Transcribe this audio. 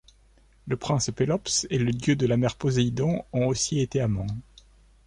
Le prince Pélops et le dieu de la mer Poséidon ont aussi été amants.